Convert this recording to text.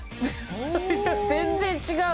いやいや全然違う！